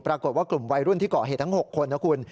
ปรากฏว่ากลุ่มวัยรุ่นที่เกาะเหตุทั้ง๖คนนะคุณ